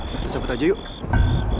kita sabut aja yuk